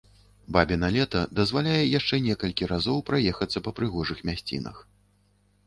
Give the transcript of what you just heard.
Бабіна лета дазваляе яшчэ некалькі разоў праехацца па прыгожых мясцінах.